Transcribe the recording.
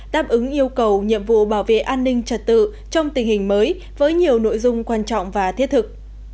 đáp ứng yêu cầu nhiệm vụ bảo vệ an ninh trật tự trong tình hình mới với nhiều nội dung quan trọng và thiết thực